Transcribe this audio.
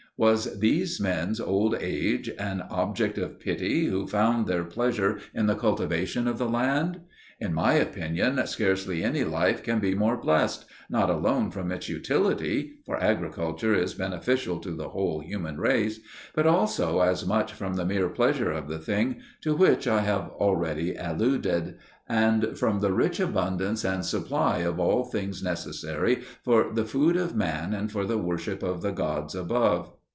Was these men's old age an object of pity who found their pleasure in the cultivation of the land? In my opinion, scarcely any life can be more blessed, not alone from its utility (for agriculture is beneficial to the whole human race), but also as much from the mere pleasure of the thing, to which I have already alluded, and from the rich abundance and supply of all things necessary for the food of man and for the worship of the gods above.